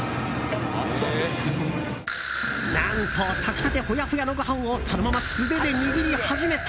何と、炊きたてほやほやのご飯をそのまま素手で握り始めた！